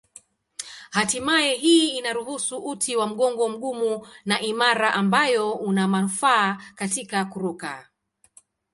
Hatimaye hii inaruhusu uti wa mgongo mgumu na imara ambayo una manufaa katika kuruka.